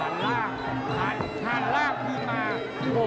หลั่งลาบหลั่งลาบขึ้นมา